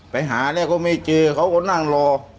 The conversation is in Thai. ไปหาแล้วก็ไม่เจอเขาก็นั่งรอ